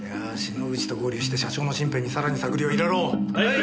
野口と合流して社長の身辺にさらに探りを入れろ！